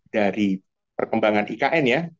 dari perkembangan ikn ya